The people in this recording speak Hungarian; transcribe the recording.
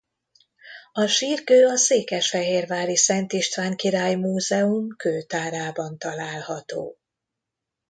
A sírkő a székesfehérvári Szent István Király Múzeum kőtárában található.